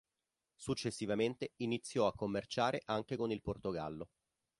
Successivamente iniziò a commerciare anche con il Portogallo.